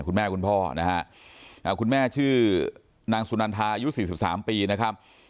คุณแม่คุณพ่อนะฮะอ่าคุณแม่ชื่อนางสุนันทายุสี่สิบสามปีนะครับ